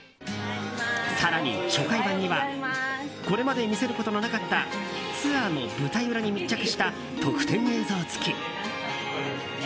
更に初回限定版にはこれまで見せることのなかったツアーの舞台裏に密着した特典映像付き。